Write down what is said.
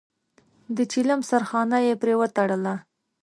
د چيلم سرخانه يې پرې وتړله.